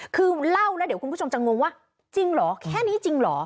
คือเล่าแล้วเดี๋ยวคุณผู้ชมจะงงว่าจริงเหรอแค่นี้จริงเหรอ